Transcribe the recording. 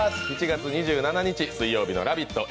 ７月２７日水曜日の「ラヴィット！」